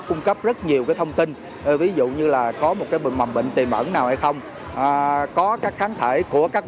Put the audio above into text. cung cấp rất nhiều thông tin ví dụ như là có một mầm bệnh tiềm ẩn nào hay không có các kháng thể của các